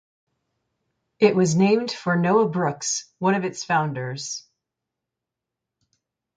It was named for Noah Brooks, one of its founders.